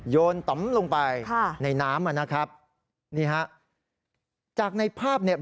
โยนตมลงไปในน้ำนะครับนี่ฮะจากในภาพเนี่ย